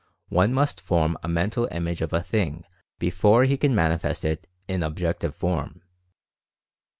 One must form a mental image of a thing before he can manifest it in objective form.